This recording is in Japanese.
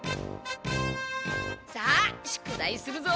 さあ宿題するぞ！